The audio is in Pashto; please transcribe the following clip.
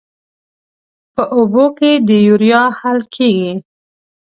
په اوبو کې د یوریا حل کیږي.